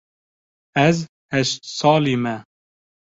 Ez heşt salî me.